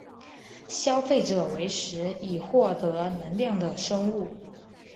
消费者为食以获得能量的生物。